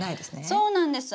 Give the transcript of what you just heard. そうなんです。